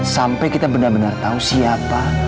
sampai kita benar benar tahu siapa